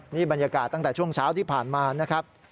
นี่บรรยากาศตั้งแต่ช่วงเช้าที่ผ่านมานะครับ